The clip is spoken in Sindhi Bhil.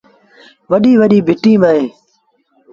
وڏيݩ وڏيݩ ڀٽيٚن با اهين